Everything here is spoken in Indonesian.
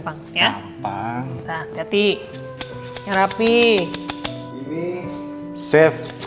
banget banget bang curious alhamdulillah